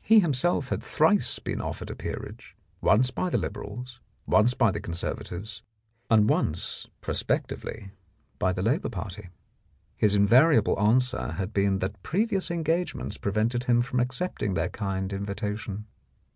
He himself had thrice been offered a peerage, once by the Liberals, once by the Conservatives, and once prospectively by the Labour Party. His invari able answer had been that previous engagements pre vented him accepting their kind invitation.